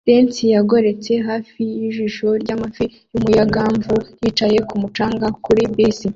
lens yagoretse (hafi yijisho ryamafi) yumuyangavu yicaye kumu canga kuri bisi